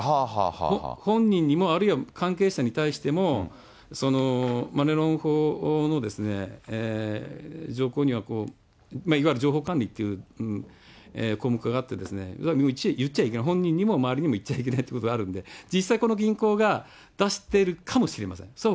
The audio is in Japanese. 本人にも、あるいは関係者に対しても、マネロン法の条項には、いわゆる情報管理っていう項目があってですね、いわゆる言っちゃいけない、本人にも周りにも言っちゃいけないということがあるので、実際、この銀行が出しているかもしれません。